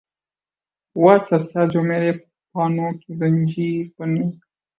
ہوا چرچا جو میرے پانو کی زنجیر بننے کا